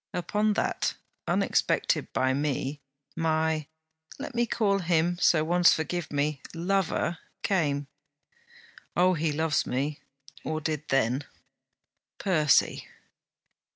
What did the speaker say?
Upon that; unexpected by me, my let me call him so once, forgive me! lover came. Oh! he loves me, or did then. Percy!